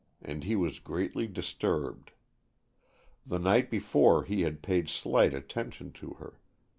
And he was greatly disturbed. The night before he had paid slight attention to her.